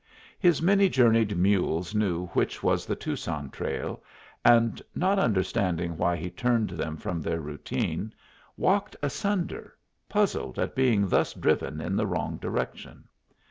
His many journeyed mules knew which was the Tucson trail, and, not understanding why he turned them from their routine, walked asunder, puzzled at being thus driven in the wrong direction.